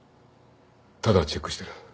ただチェックしてる。